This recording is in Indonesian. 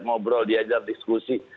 ngobrol diajak diskusi